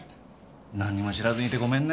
なんにも知らずにいてごめんね。